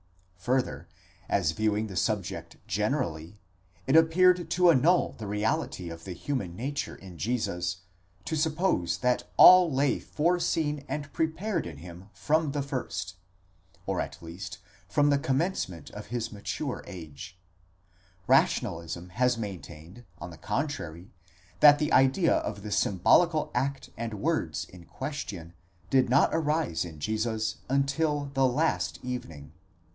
6 Further, as, viewing the subject generally, it appeared to annul the reality of the human nature in Jesus, to suppose that all lay foreseen and prepared in him from the first, or at least from the commencement of his mature age ; Rationalism has maintained, on the contrary, that the idea of the symbolical act and words in question did not arise in Jesus until the last evening.